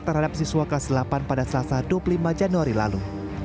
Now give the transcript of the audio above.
terhadap siswa kelas delapan pada selasa dua puluh lima januari lalu